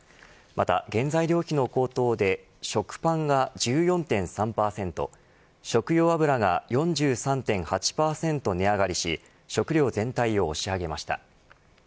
また、原材料費の高騰で食パンが１４．３％食用油が４３．８％値上がりし食料全体を押し上げました。